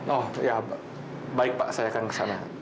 oh ya baik pak saya akan kesana